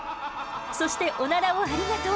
そしてオナラをありがとう！